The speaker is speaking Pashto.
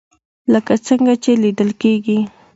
لکه څنګه چې ليدل کېږي